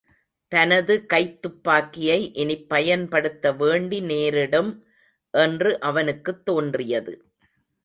தனது கைத்துப்பாக்கியை இனிப் பயன்படுத்த வேண்டி நேரிடும் என்று அவனுக்குத் தோன்றியது.